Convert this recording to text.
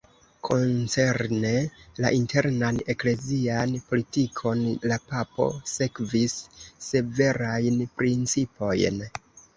Koncerne la internan eklezian politikon la papo sekvis severajn principojn.